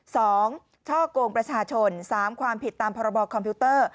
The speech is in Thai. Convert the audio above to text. ช่อกงประชาชนสามความผิดตามพรบคอมพิวเตอร์